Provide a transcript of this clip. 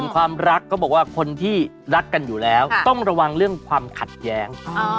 ความรักก็บอกว่าคนที่รักกันอยู่แล้วต้องระวังเรื่องความขัดแย้ง